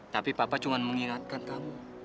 tapi papa cuma mengingatkan kamu